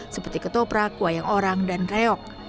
seperti ketoprak wayang orang dan reok